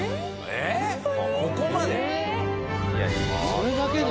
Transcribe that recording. それだけで？